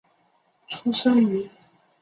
出身于东京都新宿区。